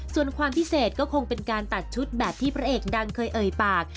ส่วนความพิเศษก็คงเป็นการตัดชุดแบบที่พระเอกดังเคยเอ่ยปาก